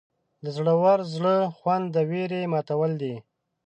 د زړور زړه خوند د ویرې ماتول دي.